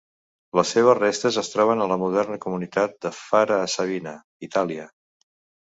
Les seves restes es troben a la moderna comunitat de Fara a Sabina, Itàlia.